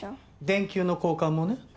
電球の交換もね。